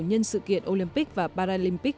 nhân sự kiện olympic và paralympic